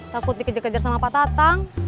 takut dikejar kejar sama pak tatang